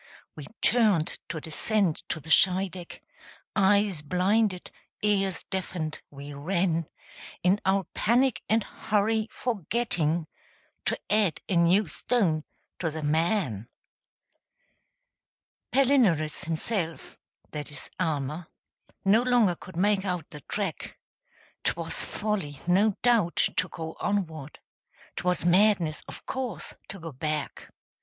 We turned to descend to the Scheideck, Eyes blinded, ears deafened, we ran, In our panic and hurry, forgetting To add a new stone to the man. Palinurus himself that is Almer No longer could make out the track; 'Twas folly, no doubt, to go onward; 'Twas madness, of course, to go back.